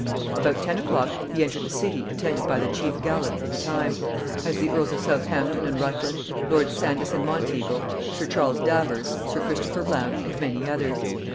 About ten o'clock he entered the city attended by the "chief gallants" of the time; as the earls of Southampton and Rutland, lords Sandys and Monteagle, sir Charles Davers, sir Christopher Blount, and many others.